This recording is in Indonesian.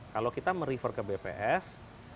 kalau kita merefer ke bps